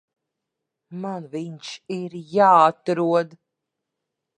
Man viņš ir jāatrod.